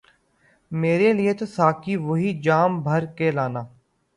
میرے لئے تو ساقی وہی جام بھر کے لانا